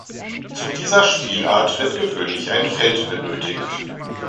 Zu dieser Spielart wird gewöhnlich ein Feld benötigt.